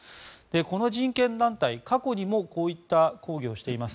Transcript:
この人権団体、過去にもこういった抗議をしています。